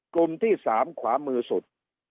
กลุ่มที่๓ขวามือสุด